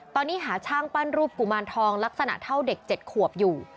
ตอนนี้หาช่างปั้นรูปกุมารทองลักษณะเท่าเด็ก๗ขวบอยู่